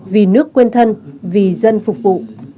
vì nước quên thân vì dân phục vụ